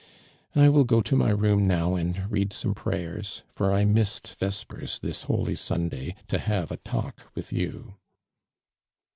I will go to my room now, and lead some prayers, for I missed vespers this holy Sunday to have a talk with you."